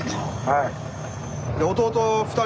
はい。